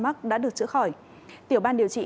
mắc đã được chữa khỏi tiểu ban điều trị